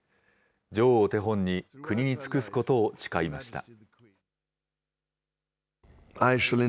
女王を手本に、国に尽くすことを誓いました。